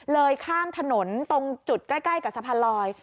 ข้ามถนนตรงจุดใกล้กับสะพานลอย